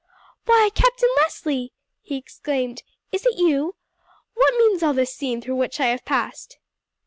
"Why, Captain Leslie!" he exclaimed. "Is it you? What means all this scene through which I have passed?"